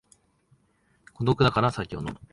孤独だから酒を飲む